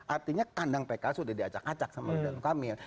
artinya kandang pks sudah diacak acak sama ridwan kamil